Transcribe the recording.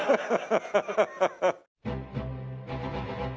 ハハハハハ。